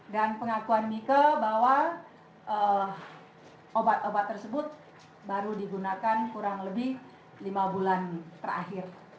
dan pengakuan mike bahwa obat obat tersebut baru digunakan kurang lebih lima bulan terakhir